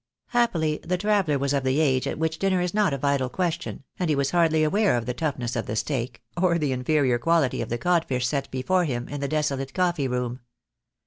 Happily the traveller was of the age at which dinner is not a vital question, and he was hardly aware of the toughness of the steak, or the inferior quality of the codfish set before him in the desolate coffee room.